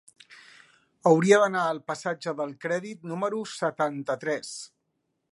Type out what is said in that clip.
Hauria d'anar al passatge del Crèdit número setanta-tres.